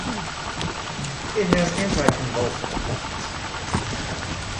It has anticonvulsant effects.